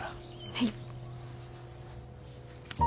はい。